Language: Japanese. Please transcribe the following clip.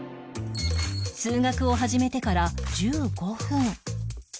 数学を始めてから１５分